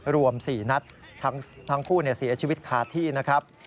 รวม๔นัดทั้งคู่เสียชีวิตคาที่นะครับ